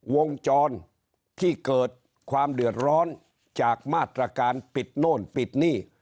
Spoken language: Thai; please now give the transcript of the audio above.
วงจรที่เกิดความเดือดร้อนจากมาตรการปิดโน่นปิดนี่